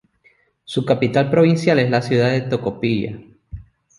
Su capital provincial es la ciudad de Tocopilla.